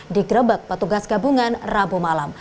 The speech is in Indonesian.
digrebek petugas gabungan rabu malam